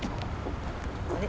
あれ？